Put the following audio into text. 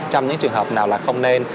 trong những trường hợp nào là không nên